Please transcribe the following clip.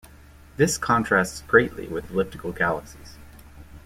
This contrasts greatly with elliptical galaxies.